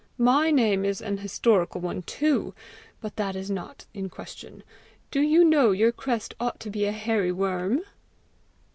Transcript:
"My name is an historical one too but that is not in question. Do you know your crest ought to be a hairy worm?"